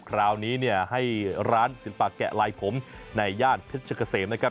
คราวนี้เนี่ยให้ร้านศิลปะแกะลายผมในย่านเพชรเกษมนะครับ